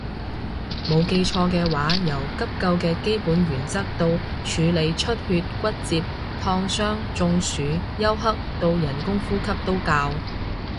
冇記錯嘅話由急救嘅基本原則到處理出血骨折燙傷中暑休克到人工呼吸都教